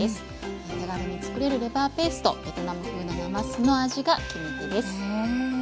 手軽に作れるレバーペーストベトナム風のなますの味が決め手です。